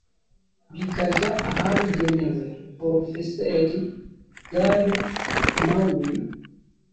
bikajya ahabigenewe porofeseri gary mawe